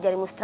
apa itu sih